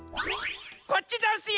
こっちざんすよ！